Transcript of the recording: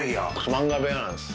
漫画部屋なんです。